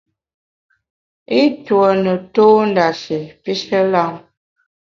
I ntue ne tô ndashi pishe lam.